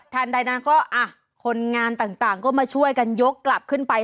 ใดนั้นก็คนงานต่างก็มาช่วยกันยกกลับขึ้นไป